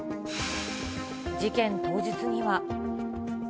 事件当日には。